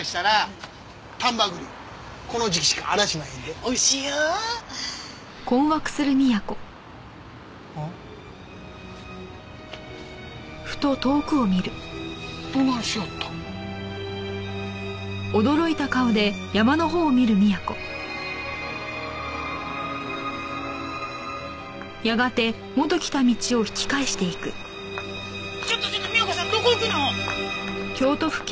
ちょっとちょっと美也子さんどこ行くの？